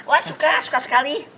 wah suka suka sekali